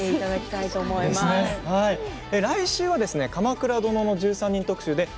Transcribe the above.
来週は「鎌倉殿の１３人」特集です。